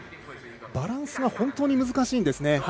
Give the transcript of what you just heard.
バランスが本当に難しいんですね。